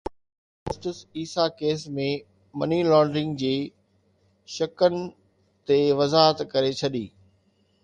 supreme court justice Isa case ۾ money laundering جي شقن تي وضاحت ڪري ڇڏي